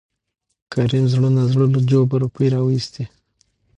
کريم زړه نازړه له جوبه روپۍ راوېستې.